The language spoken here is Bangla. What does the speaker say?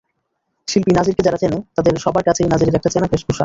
শিল্পী নাজিরকে যাঁরা চেনে, তাদের সবার কাছেই নাজিরের একটা চেনা বেশভূষা।